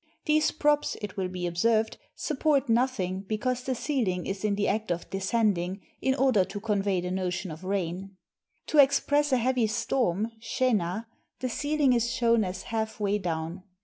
These props, it will be observed, support nothing, because the ceiling is in the act of descending, in order to convey the notion of rain. To express a heavy storm (shena), the ceiling is shown as halfway down.